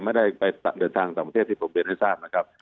ไม่ได้ไปเดินทางต่างประเทศที่ผมเรียนให้ทราบนะครับ